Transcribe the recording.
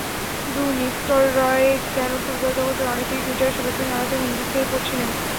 শুধু নিস্টলরয় কেন, ফুটবল জগতের অনেকেই টুইটারে শুভেচ্ছা জানাতে হুমড়ি খেয়ে পড়েছিলেন।